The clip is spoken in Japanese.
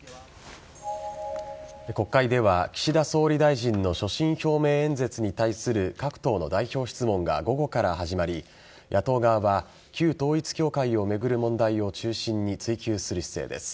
国会では、岸田総理大臣の所信表明演説に対する各党の代表質問が午後から始まり野党側は旧統一教会を巡る問題を中心に追及する姿勢です。